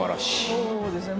そうですね。